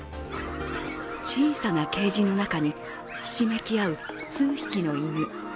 小さなケージの中にひしめき合う数匹の犬。